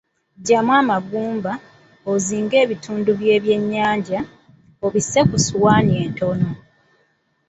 Ggyamu amagumba, ozinge ebitundu by'ebyennyanja, obisse ku ssowaani entono.